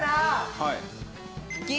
はい。